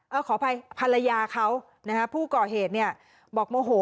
เออขออภัยภรรยาเขาผู้ก่อเหตุบอกโมโห